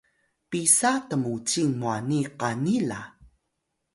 pisa tmucing mwani qani la?